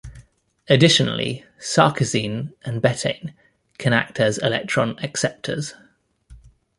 Additionally, sarcosine and betaine can act as electron acceptors.